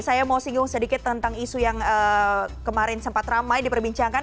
saya mau singgung sedikit tentang isu yang kemarin sempat ramai diperbincangkan